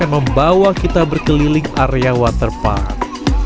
yang ini akan membawa kita berkeliling area waterpark